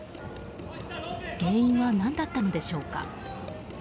原因は何だったのでしょうか。